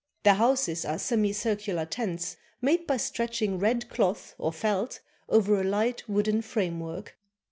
Their houses are semicircular tents made by stretching red cloth or felt over a light wooden framework.